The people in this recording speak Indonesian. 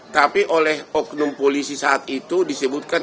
tapi oleh oknum polisi saat itu disebutkan